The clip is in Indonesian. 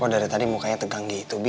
wah dari tadi mukanya tegang gitu bi